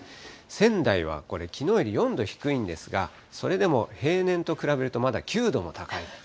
仙台はこれ、きのうより４度低いんですが、それでも平年と比べるとまだ９度も高い。